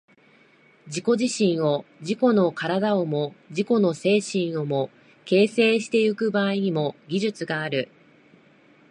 自己自身を、自己の身体をも自己の精神をも、形成してゆく場合にも、技術がある。